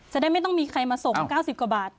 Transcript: จะได้ไม่ต้องมีใครมาส่ง๙๐กว่าบาท